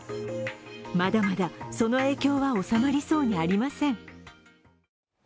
まだまだその影響は収まりそうにありません。